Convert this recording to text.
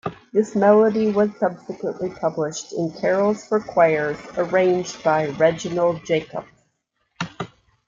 This melody was subsequently published in Carols for Choirs, arranged by Reginald Jacques.